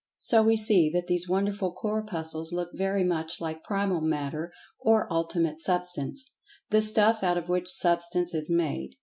So we see that these wonderful Corpuscles look very much like Primal Matter or Ultimate Substance—the "Stuff" out of which Substance is made.